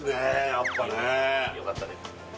やっぱねよかったです